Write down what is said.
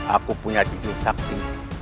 aku punya diil sakti